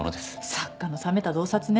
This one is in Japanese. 作家の冷めた洞察ね